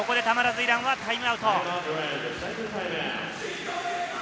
たまらずイランはタイムアウト。